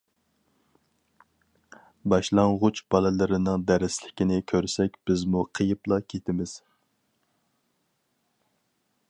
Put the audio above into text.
باشلانغۇچ بالىلىرىنىڭ دەرسلىكىنى كۆرسەك بىزمۇ قېيىپلا كېتىمىز.